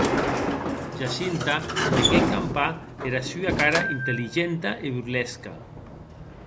Jacinta veiguec campar era sua cara intelligenta e burlesca.